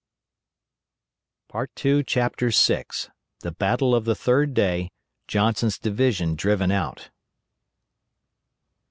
out.] CHAPTER VI. THE BATTLE OF THE THIRD DAY JOHNSON'S DIVISION DRIVEN OUT.